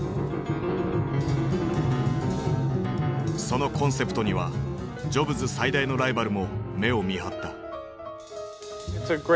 そのコンセプトにはジョブズ最大のライバルも目をみはった。